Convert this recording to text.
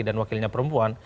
dan wakilnya perempuan